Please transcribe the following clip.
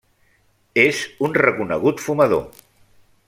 És un reconegut fumador.